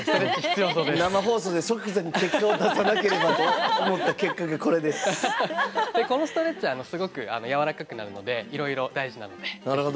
生放送で即座に結果を出さなければとこのストレッチはすごくやわらかくなるのでいろいろ大事なので。